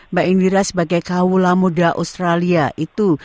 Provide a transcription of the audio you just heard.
mbak indira sebagai kaula muda australia itu